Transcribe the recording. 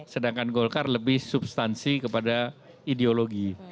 sedangkan golkar lebih substansi kepada ideologi